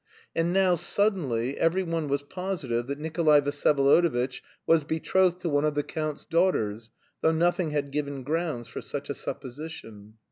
And now, suddenly, every one was positive that Nikolay Vsyevolodovitch was betrothed to one of the count's daughters, though nothing had given grounds for such a supposition.